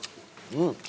うん。